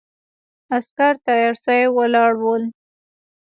عسکر تیارسي ولاړ ول.